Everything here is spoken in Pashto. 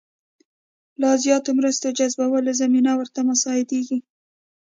لا زیاتو مرستو جذبولو زمینه ورته مساعدېږي.